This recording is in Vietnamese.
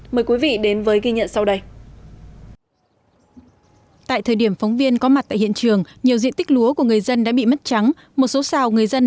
mời quý vị đến với ghi nhận sau đây